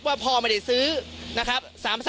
พ่อไม่ได้ซื้อนะครับ